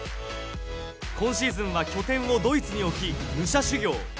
今シーズンは拠点をドイツに置き武者修行。